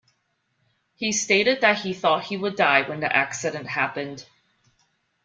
He stated that he thought he would die when the accident happened.